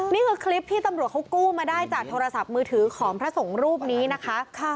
นี่คือคลิปที่ตำรวจเขากู้มาได้จากโทรศัพท์มือถือของพระสงฆ์รูปนี้นะคะ